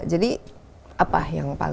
jadi apa yang paling